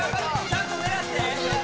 ちゃんと狙って。